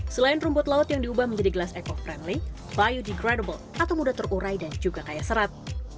selain rumput laut yang diubah menjadi gelas eco friendly biodegradable atau mudah terurai dan juga kaya serat